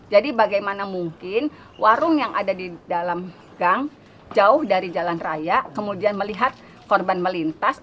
jadi bagaimana mungkin warung yang ada di dalam gang jauh dari jalan raya kemudian melihat korban melintas